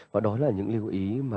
và đó là những lưu ý mà